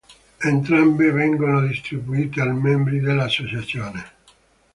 Entrambe vengono distribuite ai membri dell'associazione.